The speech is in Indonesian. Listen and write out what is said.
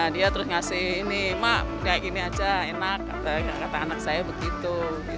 dia terus ngasih ini mak kayak gini aja enak kata anak saya begitu